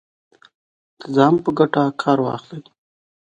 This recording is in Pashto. د ځان په ګټه کار واخلي